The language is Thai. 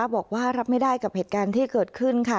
บอกว่ารับไม่ได้กับเหตุการณ์ที่เกิดขึ้นค่ะ